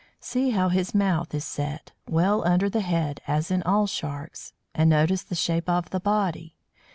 See how his mouth is set, well under the head, as in all Sharks; and notice the shape of the body.